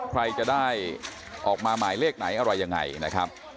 ใครจะได้ออกมาหมายเลขไหนอะไรยังไงนะครับ